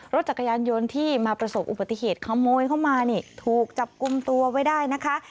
รถจักรยานยนต์ที่มาประสบอุบัติเหตุขโมยเข้ามานี่ถูกจับกลุ่มตัวไว้ได้นะคะ